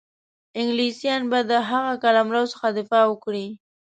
انګلیسیان به د هغه قلمرو څخه دفاع وکړي.